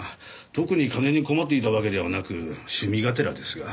特に金に困っていたわけではなく趣味がてらですが。